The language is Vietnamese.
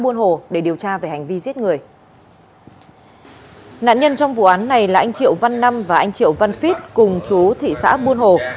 nạn nhân trong vụ án này là anh triệu văn năm và anh triệu văn phít cùng chú thị xã buôn hồ